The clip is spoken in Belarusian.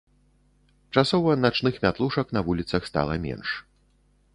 Часова начных мятлушак на вуліцах стала менш.